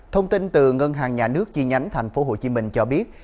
thông tin từ ngân hàng nhà nước chi nhánh tp hcm cho biết